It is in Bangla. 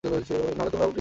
নাহলে তোমরা উড়ে যেতে।